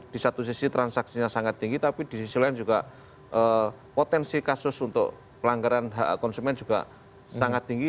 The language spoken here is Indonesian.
di satu sisi transaksinya sangat tinggi tapi di sisi lain juga potensi kasus untuk pelanggaran hak konsumen juga sangat tinggi